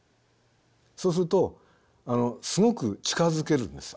そうするとすごく近づけるんです